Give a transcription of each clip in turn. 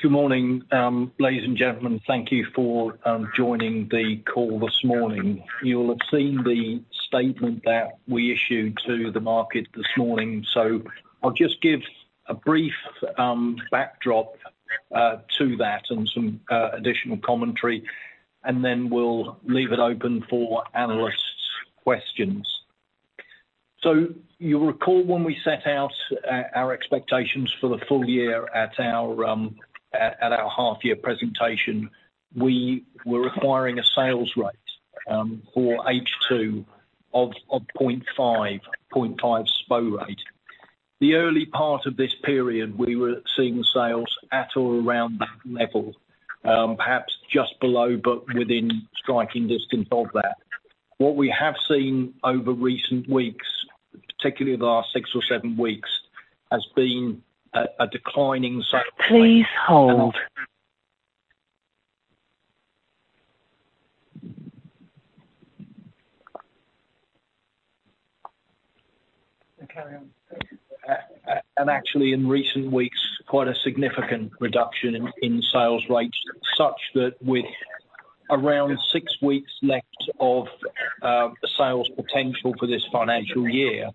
Good morning, ladies and gentlemen. Thank you for joining the call this morning. You'll have seen the statement that we issued to the market this morning, so I'll just give a brief backdrop to that and some additional commentary, and then we'll leave it open for analysts' questions. So you'll recall when we set out our expectations for the full year at our at at our half year presentation, we were requiring a sales rate for H2 of 0.5, 0.5 SPO rate. The early part of this period, we were seeing sales at or around that level, perhaps just below, but within striking distance of that. What we have seen over recent weeks, particularly the last six or seven weeks, has been a, a declining sales- Please hold. Actually, in recent weeks, quite a significant reduction in, in sales rates, such that with around six weeks left of the sales potential for this financial year,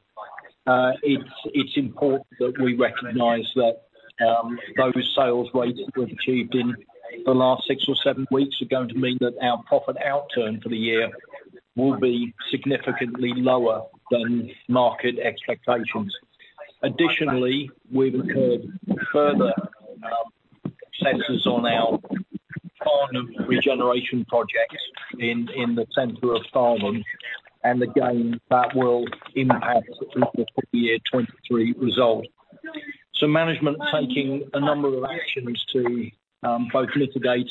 it's, it's important that we recognize that those sales rates we've achieved in the last six or seven weeks are going to mean that our profit outturn for the year will be significantly lower than market expectations. Additionally, we've incurred further censures on our brownfield regeneration projects in, in the center of Farnham, and again, that will impact the full year 2023 result. Management is taking a number of actions to both mitigate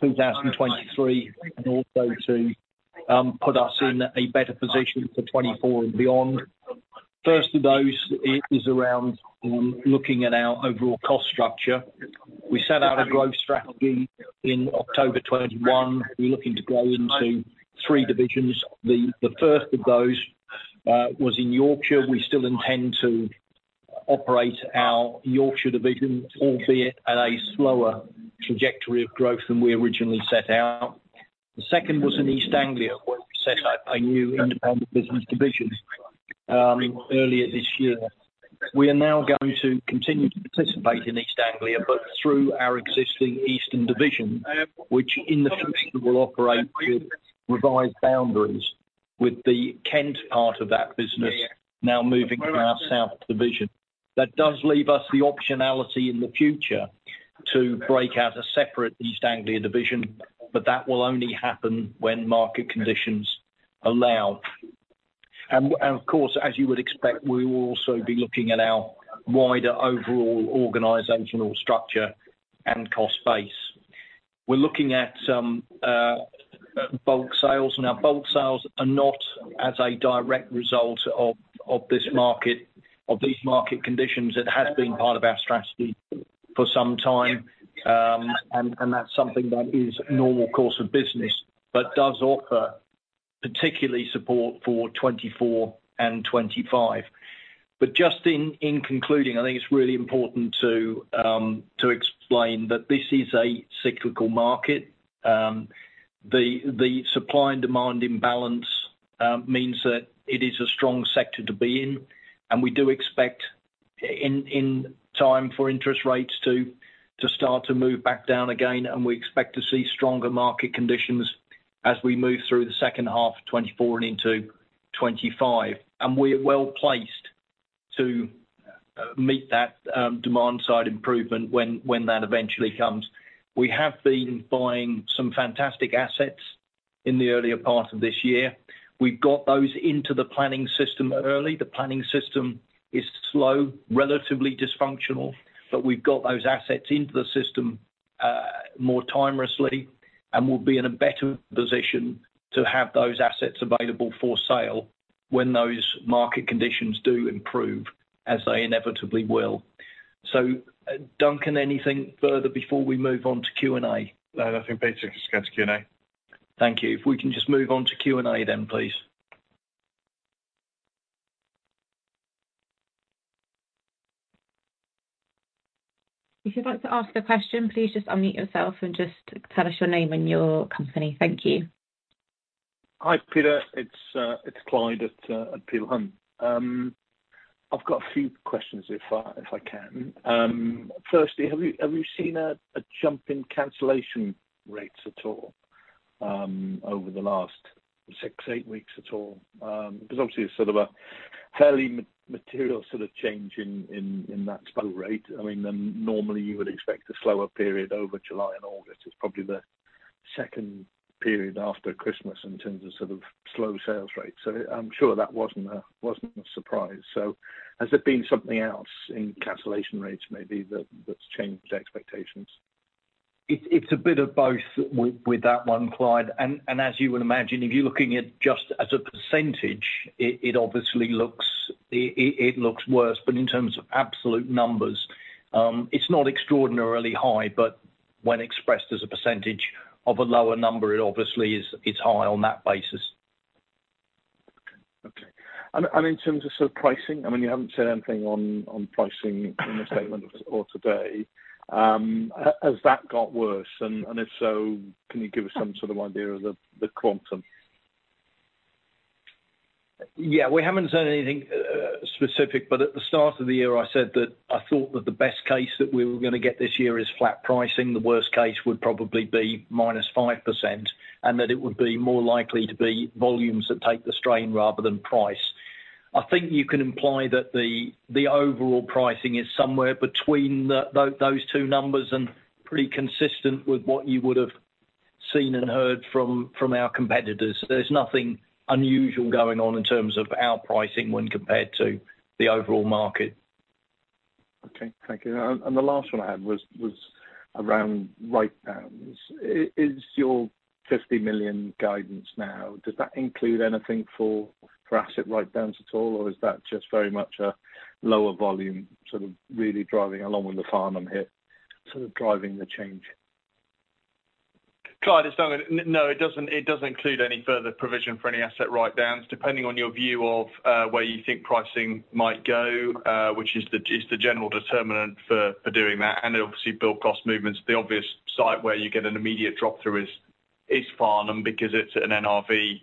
2023 and also to put us in a better position for 2024 and beyond. First of those is, is around looking at our overall cost structure. We set out a growth strategy in October 2021. We're looking to grow into three divisions. The first of those was in Yorkshire. We still intend to operate our Yorkshire division, albeit at a slower trajectory of growth than we originally set out. The second was in East Anglia, where we set up a new independent business division earlier this year. We are now going to continue to participate in East Anglia, but through our existing Eastern division, which in the future will operate with revised boundaries, with the Kent part of that business now moving to our South division. That does leave us the optionality in the future to break out a separate East Anglia division, but that will only happen when market conditions allow. Of course, as you would expect, we will also be looking at our wider overall organizational structure and cost base. We're looking at some bulk sales. Bulk sales are not as a direct result of this market, of these market conditions. It has been part of our strategy for some time, and that's something that is normal course of business, but does offer particularly support for 2024 and 2025. Just in, in concluding, I think it's really important to explain that this is a cyclical market. The, the supply and demand imbalance means that it is a strong sector to be in, and we do expect in, in time for interest rates to, to start to move back down again, and we expect to see stronger market conditions as we move through the second half of 2024 and into 2025. We're well placed to meet that demand side improvement when, when that eventually comes. We have been buying some fantastic assets in the earlier part of this year. We've got those into the planning system early. The planning system is slow, relatively dysfunctional, but we've got those assets into the system, more timeously, and we'll be in a better position to have those assets available for sale when those market conditions do improve, as they inevitably will. Duncan, anything further before we move on to Q&A? No, I think basically just go to Q&A. Thank you. If we can just move on to Q&A then, please. If you'd like to ask a question, please just unmute yourself and just tell us your name and your company. Thank you. Hi, Peter. It's, it's Clyde at, at Peel Hunt. I've got a few questions, if I, if I can. Firstly, have you, have you seen a, a jump in cancellation rates at all, over the last six, eight weeks at all? Because obviously it's sort of a fairly material sort of change in, in, in that SPO rate. I mean, normally you would expect a slower period over July and August. It's probably the second period after Christmas in terms of sort of slow sales rates. I'm sure that wasn't a, wasn't a surprise. Has there been something else in cancellation rates, maybe, that, that's changed expectations? It's, it's a bit of both with, with that one, Clyde. as you would imagine, if you're looking at just as a percentage, it obviously looks. It, it looks worse. in terms of absolute numbers, it's not extraordinarily high, but when expressed as a % of a lower number, it obviously is, it's high on that basis. In terms of sort of pricing, I mean, you haven't said anything on, on pricing in the statement or today. Has that got worse? If so, can you give us some sort of idea of the, the quantum? Yeah, we haven't said anything specific, but at the start of the year, I said that I thought that the best case that we were gonna get this year is flat pricing. The worst case would probably be minus 5%, and that it would be more likely to be volumes that take the strain rather than price. I think you can imply that the overall pricing is somewhere between those two numbers, and pretty consistent with what you would have seen and heard from our competitors. There's nothing unusual going on in terms of our pricing when compared to the overall market. Okay, thank you. The last one I had was around writedowns. Is your 50 million guidance now, does that include anything for asset writedowns at all, or is that just very much a lower volume, sort of really driving along with the Farnham hit, sort of driving the change? Clyde, it's Duncan. No, it doesn't, it doesn't include any further provision for any asset writedowns. Depending on your view of where you think pricing might go, which is the, is the general determinant for, for doing that, and obviously, build cost movements, the obvious site where you get an immediate drop through is, is Farnham, because it's an NRV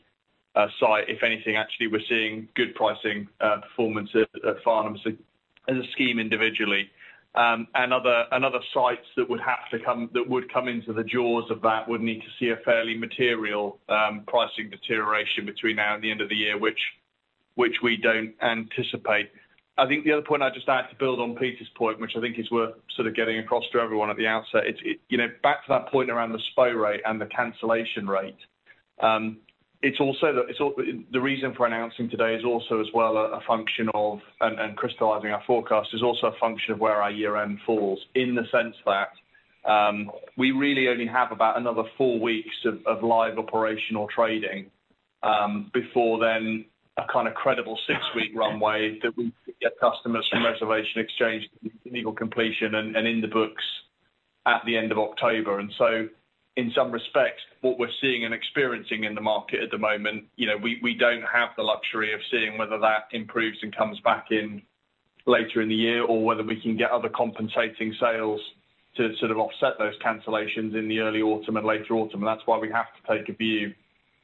site. If anything, actually, we're seeing good pricing performance at, at Farnham as a, as a scheme individually. And other, and other sites that would come into the jaws of that, would need to see a fairly material pricing deterioration between now and the end of the year, which, which we don't anticipate. I think the other point I'd just like to build on Peter's point, which I think is worth sort of getting across to everyone at the outset. It, you know, back to that point around the sales rate and the cancellation rate, the reason for announcing today is also as well, a function of, and crystallizing our forecast, is also a function of where our year end falls, in the sense that, we really only have about another four weeks of live operational trading, before then, a kind of credible six-week runway that we get customers from reservation exchange, legal completion, and in the books at the end of October. In some respects, what we're seeing and experiencing in the market at the moment, you know, we, we don't have the luxury of seeing whether that improves and comes back in later in the year, or whether we can get other compensating sales to sort of offset those cancellations in the early autumn and later autumn. That's why we have to take a view,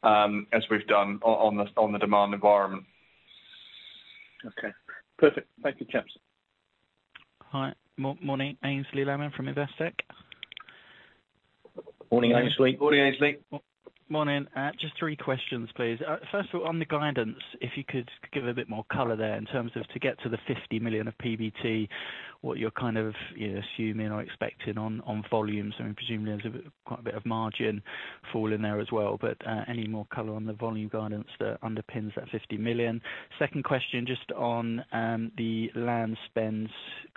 as we've done on, the, on the demand environment. Okay, perfect. Thank you, Duncan. Hi, morning, Aynsley Lammin from Investec. Morning, Aynsley. Morning, Aynsley. Morning. Just three questions, please. First of all, on the guidance, if you could give a bit more color there in terms of to get to the 50 million of PBT, what you're kind of, you know, assuming or expecting on, on volumes, and presumably there's a quite a bit of margin fall in there as well, but, any more color on the volume guidance that underpins that 50 million? Second question, just on, the land spends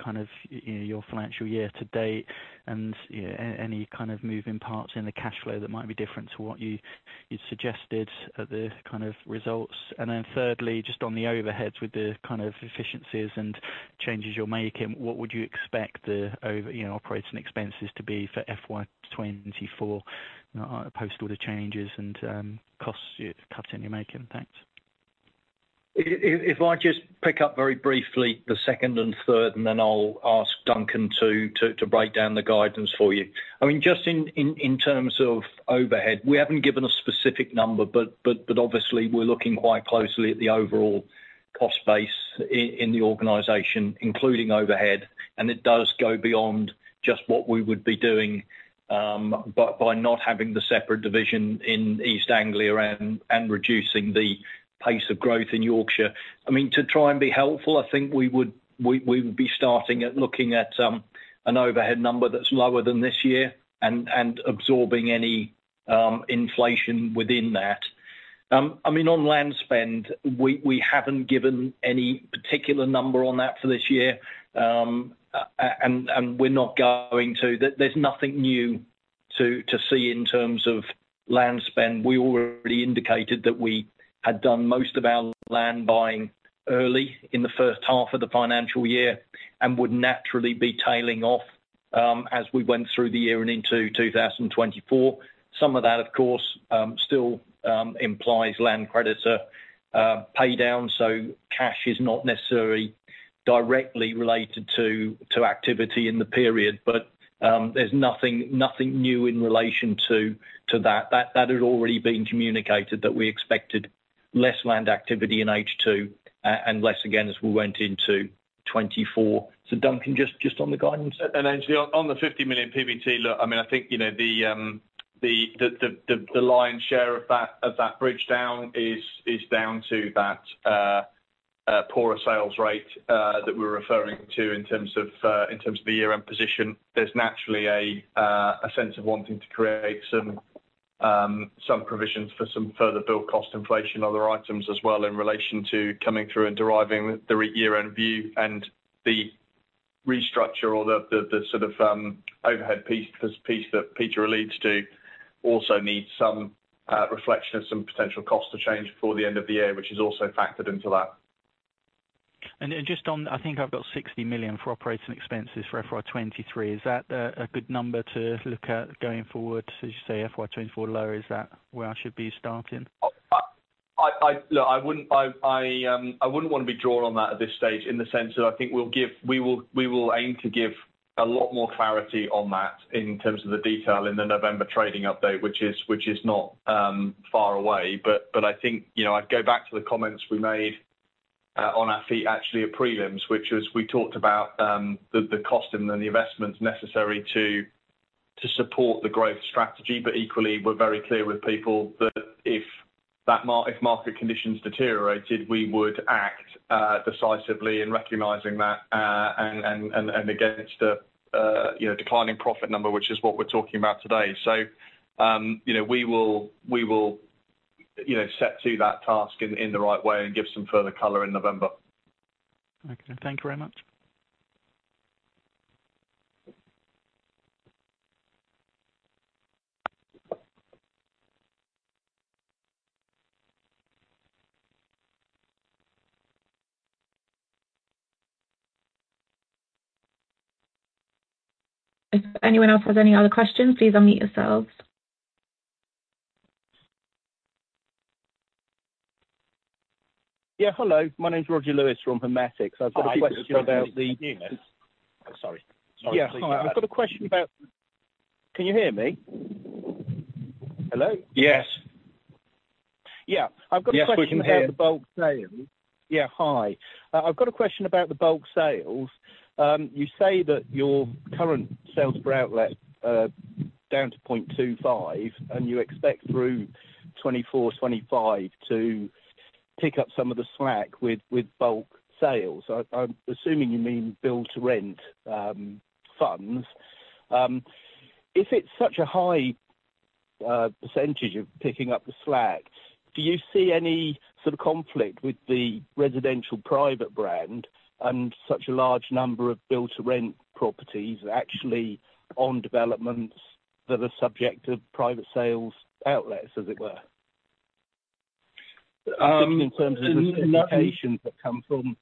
kind of, you know, your financial year to date, and, any kind of moving parts in the cash flow that might be different to what you, you suggested at the kind of results. Then thirdly, just on the overheads with the kind of efficiencies and changes you're making, what would you expect, you know, operating expenses to be for FY 2024, post all the changes and, costs cuts that you're making? Thanks. If I just pick up very briefly the second and third, and then I'll ask Duncan to break down the guidance for you. I mean, just in terms of overhead, we haven't given a specific number, but obviously we're looking quite closely at the overall cost base in the organization, including overhead, and it does go beyond just what we would be doing, by not having the separate division in East Anglia and reducing the pace of growth in Yorkshire. I mean, to try and be helpful, I think we would be starting at looking at an overhead number that's lower than this year and absorbing any inflation within that. I mean, on land spend, we, we haven't given any particular number on that for this year, and, and we're not going to. There, there's nothing new to, to see in terms of land spend. We already indicated that we had done most of our land buying early in the first half of the financial year and would naturally be tailing off as we went through the year and into 2024. Some of that, of course, still implies land creditor pay down, so cash is not necessarily directly related to, to activity in the period. There's nothing new in relation to, to that. That, that had already been communicated that we expected less land activity in H2, and less again, as we went into 2024. Duncan, just, just on the guidance. Aynsley, on the 50 million PBT look, I mean, I think, you know, the lion share of that, of that bridge down is, is down to that poorer sales rate that we're referring to in terms of the year-end position. There's naturally a sense of wanting to create some provisions for some further build cost inflation, other items as well, in relation to coming through and deriving the year-end view and the restructure or the sort of overhead piece that Peter alludes to, also needs some reflection of some potential cost to change before the end of the year, which is also factored into that and just on, I think I've got 60 million for operating expenses for FY23. Is that a, a good number to look at going forward? As you say, FY24 lower, is that where I should be starting? Look, I wouldn't, want to be drawn on that at this stage in the sense that I think we will, we will aim to give a lot more clarity on that in terms of the detail in the November trading update, which is, which is not far away. I think, you know, I'd go back to the comments we made on our feet, actually, at prelims, which is we talked about cost and then the investments necessary to, support the growth strategy. Equally, we're very clear with people that if market conditions deteriorated, we would act decisively in recognizing that, and, and, and, and against a, you know, declining profit number, which is what we're talking about today. You know, we will, we will, you know, set to that task in, in the right way and give some further color in November. Okay. Thank you very much. If anyone else has any other questions, please unmute yourselves. Yeah, hello. My name is Roger Lewis from Hermes. I've got a question about. Hi, sorry. Yeah. Hi, I've got a question about... Can you hear me? Hello? Yes. Yeah. Yes, we can hear you. I've got a question about the bulk sales. Yeah, hi. I've got a question about the bulk sales. You say that your current sales per outlet are down to 0.25, and you expect through 2024, 2025 to pick up some of the slack with, with bulk sales. I'm assuming you mean build-to-rent funds. If it's such a high % of picking up the slack, do you see any sort of conflict with the residential private brand and such a large number of build-to-rent properties actually on developments that are subject to private sales outlets, as it were? no- In terms of the specifications that come from.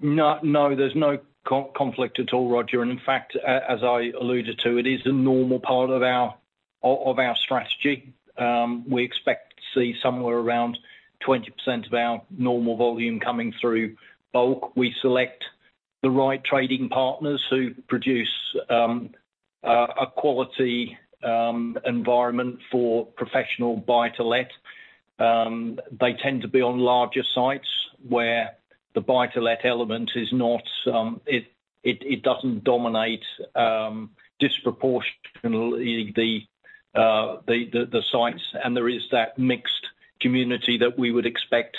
No, no, there's no conflict at all, Roger. In fact, as I alluded to, it is a normal part of our, of, of our strategy. We expect to see somewhere around 20% of our normal volume coming through bulk. We select the right trading partners who produce a quality environment for professional buy-to-let. They tend to be on larger sites where the buy-to-let element is not, it, it, it doesn't dominate disproportionately the, the, the, the sites, and there is that mixed community that we would expect.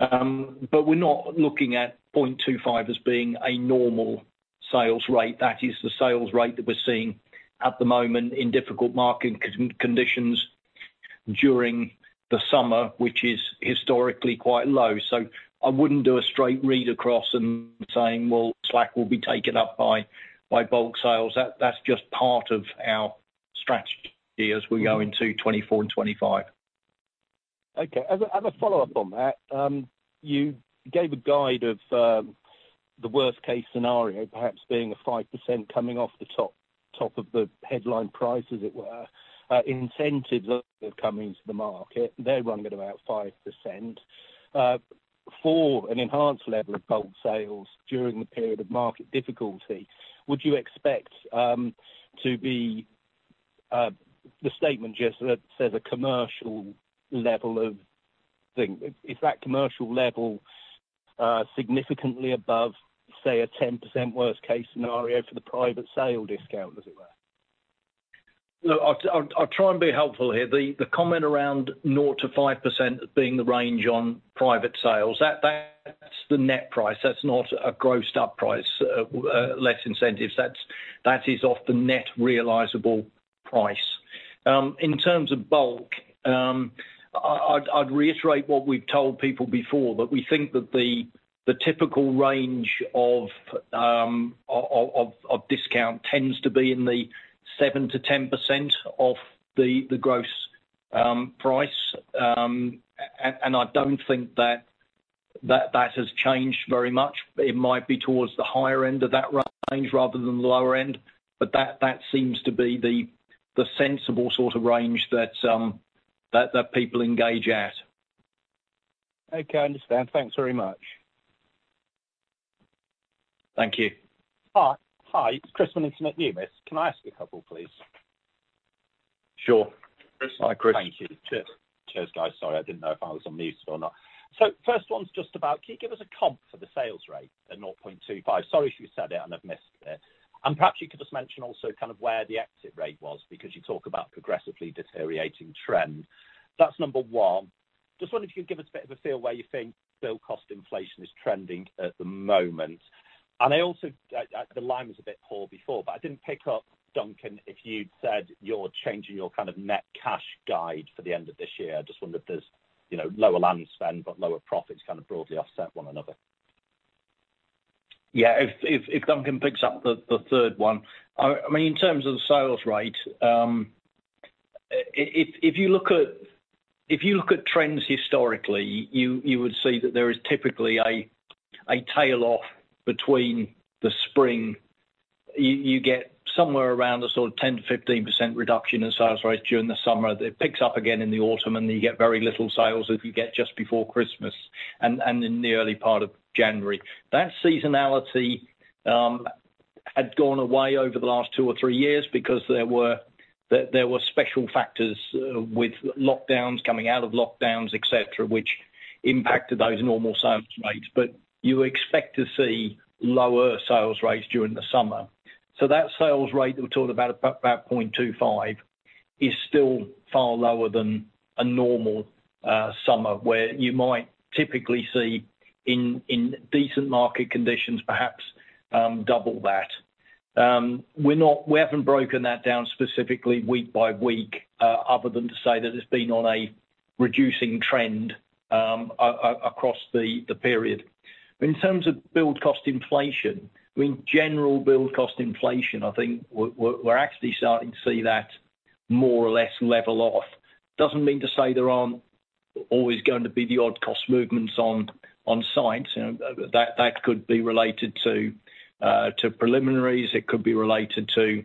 We're not looking at 0.25 as being a normal sales rate. That is the sales rate that we're seeing at the moment in difficult market conditions during the summer, which is historically quite low. I wouldn't do a straight read across and saying, "Well, slack will be taken up by, by bulk sales." That, that's just part of our strategy as we go into 2024 and 2025. Okay. As a, as a follow-up on that, you gave a guide of the worst-case scenario, perhaps being a 5% coming off the top, top of the headline price, as it were. Incentives have come into the market. They're running at about 5%. For an enhanced level of bulk sales during the period of market difficulty, would you expect to be the statement just that says a commercial level of thing? Is that commercial level significantly above, say, a 10% worst-case scenario for the private sale discount, as it were? Look, I'll try and be helpful here. The comment around 0%-5% being the range on private sales, that's the net price. That's not a grossed up price, less incentives. That is off the net realizable price. In terms of bulk, I'd reiterate what we've told people before, that we think that the typical range of discount tends to be in the 7%-10% of the gross price. I don't think that has changed very much. It might be towards the higher end of that range rather than the lower end, but that seems to be the sensible sort of range that people engage at. Okay, I understand. Thanks very much. Thank you. Hi, it's Chris from Numis. Can I ask a couple, please? Sure. Chris. Thank you. Cheers, guys. Sorry, I didn't know if I was on mute or not. First one's just about, can you give us a comp for the sales rate at 0.25? Sorry, if you said it, and I've missed it. Perhaps you could just mention also kind of where the exit rate was, because you talk about progressively deteriorating trends. That's number one. Just wondered if you'd give us a bit of a feel where you think build cost inflation is trending at the moment. I also, the line was a bit poor before, but I didn't pick up, Duncan, if you'd said you're changing your kind of net cash guide for the end of this year. I just wondered if there's, you know, lower land spend, but lower profits kind of broadly offset one another. Yeah, if Duncan picks up the third one. I mean, in terms of the sales rate, if you look at trends historically, you would see that there is typically a tail off between the spring. You get somewhere around the sort of 10%-15% reduction in sales rate during the summer. It picks up again in the autumn, and you get very little sales as you get just before Christmas and in the early part of January. That seasonality had gone away over the last two or threeyears because there were special factors with lockdowns, coming out of lockdowns, et cetera, which impacted those normal sales rates. You expect to see lower sales rates during the summer. That sales rate, we're talking about, about 0.25, is still far lower than a normal summer, where you might typically see in, in decent market conditions, perhaps double that. We're not-- We haven't broken that down specifically week by week, other than to say that it's been on a reducing trend across the period. In terms of build cost inflation, I mean, general build cost inflation, I think we're, actually starting to see that more or less level off. Doesn't mean to say there aren't always going to be the odd cost movements on, on site. You know, that, that could be related to preliminaries, it could be related to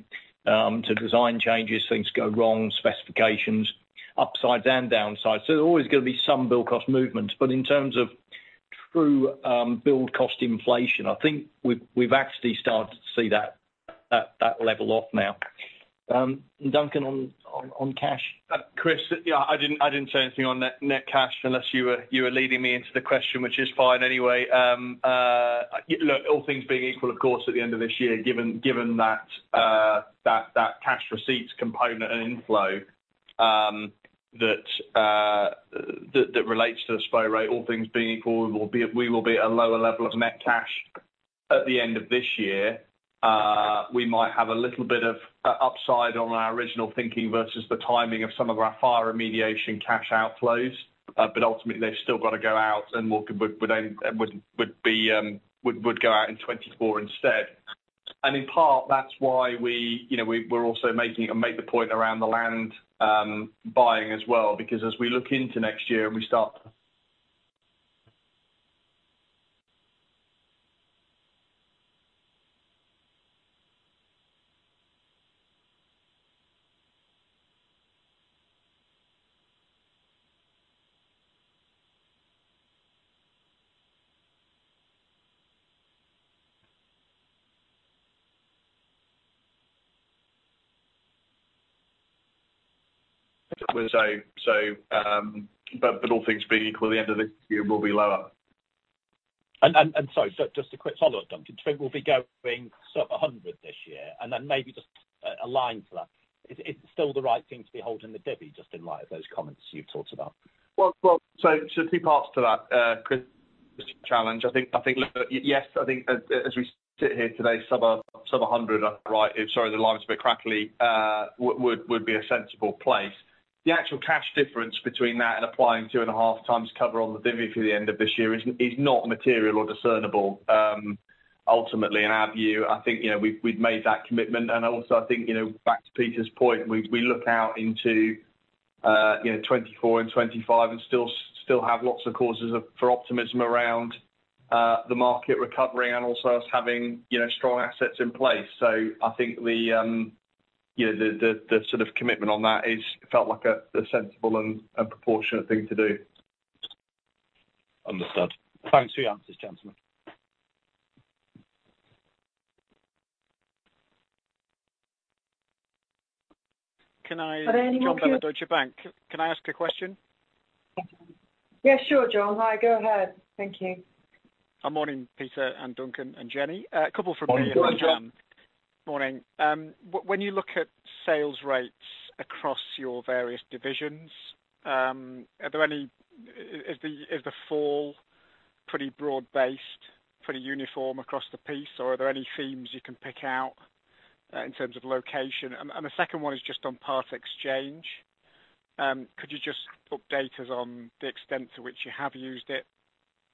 design changes, things go wrong, specifications, upsides and downsides. There's always going to be some build cost movements, but in terms of true, build cost inflation, I think we've, actually started to see that, that, that level off now. Duncan, on, on, on cash? Chris, yeah, I didn't, I didn't say anything on net, net cash, unless you were, you were leading me into the question, which is fine anyway. Look, all things being equal, of course, at the end of this year, given, given that, that, that cash receipts component and inflow, that, that, that relates to the SPO rate, all things being equal, we will be at a lower level of net cash at the end of this year. We might have a little bit of upside on our original thinking versus the timing of some of our fire remediation cash outflows. But ultimately, they've still got to go out and would then be, would go out in 2024 instead. In part, that's why we, you know, we're also making. I made the point around the land, buying as well, because as we look into next year, but all things being equal, at the end of this year, we'll be lower. Sorry, just a quick follow-up, Duncan. We'll be going sub 100 this year, and then maybe just a line for that. Is it still the right thing to be holding the divvy, just in light of those comments you've talked about? Well, two parts to that, Chris challenge. I think, look, yes, I think as we sit here today, sub 100, right? Sorry, the line's a bit crackly, would be a sensible place. The actual cash difference between that and applying 2.5 times cover on the divvy for the end of this year is not material or discernible, ultimately, in our view. I think, you know, we've made that commitment, and also I think, you know, back to Peter's point, we look out into, you know, 2024 and 2025 and still have lots of causes for optimism around the market recovery and also us having, you know, strong assets in place. I think the, you know, the, sort of commitment on that is felt like a, a sensible and, and proportionate thing to do. Understood. Thanks for your answers, gentlemen. Can I- Are there any more questions? John from Deutsche Bank. Can I ask a question? Yeah, sure, John. Hi, go ahead. Thank you. Good morning, Peter and Duncan and Jenny. A couple from me. Good morning, John. Morning. When you look at sales rates across your various divisions, are there any... Is the, is the fall pretty broad-based, pretty uniform across the piece, or are there any themes you can pick out in terms of location? The second one is just on part exchange. Could you just update us on the extent to which you have used it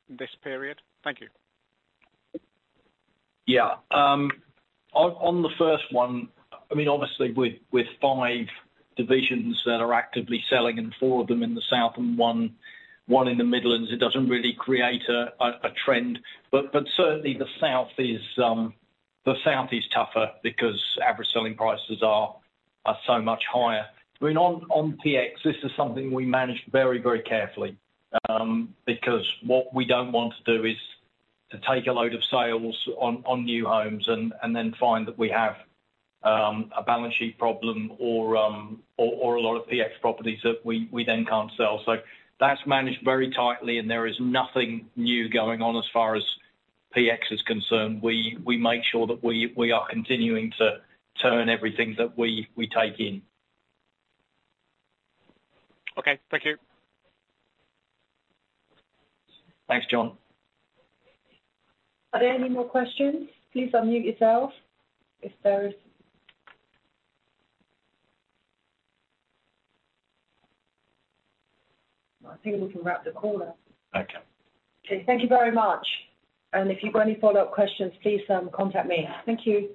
this period? Thank you. Yeah, on, the first one, I mean, obviously, with, with five divisions that are actively selling, four of them in the South and 1, 1 in the Midlands, it doesn't really create a, a, a trend. Certainly the South is, the South is tougher because average selling prices are, are so much higher. I mean, on PX, this is something we manage very, very carefully, because what we don't want to do is to take a load of sales on, on new homes and, and then find that we have, a balance sheet problem or, a lot of PX properties that we, we then can't sell. That's managed very tightly, and there is nothing new going on as far as PX is concerned. We, we make sure that we, we are continuing to turn everything that we, we take in. Okay, thank you. Thanks, John. Are there any more questions? Please unmute yourself if there is... I think we can wrap the call up. Okay. Okay. Thank you very much. If you've got any follow-up questions, please, contact me. Thank you.